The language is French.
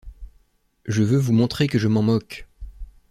Je veux vous montrer que je m’en moque...